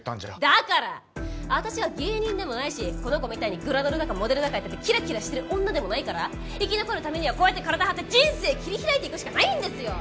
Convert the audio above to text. だから私は芸人でもないしこの子みたいにグラドルだかモデルだかやってキラキラしてる女でもないから生き残るためにはこうやって体張って人生切り開いていくしかないんですよ！